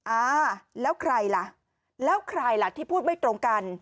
อ่าแล้วใครล่ะแล้วใครล่ะที่พูดไม่ตรงกัน